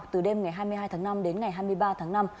từ đêm ngày hai mươi hai tháng năm đến ngày hai mươi ba tháng năm